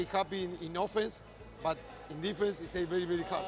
tetap bahagia di ofensi tapi di defensenya tetap sangat keras